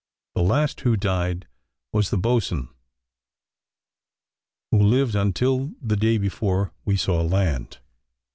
The last who died was the boatswain, who lived until the day before we saw land.